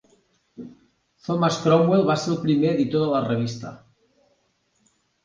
Thomas Cromwell va ser el primer editor de la revista.